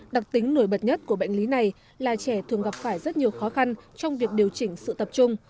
đặc tính nổi bật nhất của bệnh lý này là trẻ thường gặp phải rất nhiều khó khăn trong việc điều chỉnh sự tập trung